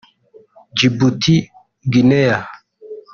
Djibouti; Guinea